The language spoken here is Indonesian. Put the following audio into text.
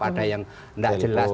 ada yang tidak jelasin